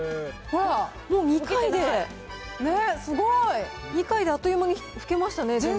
もう２回で、ねっ、すごい！２回であっという間に拭けましたね、全部。